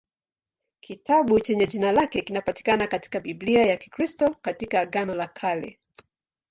Kitabu chenye jina lake kinapatikana katika Biblia ya Kikristo katika Agano la Kale.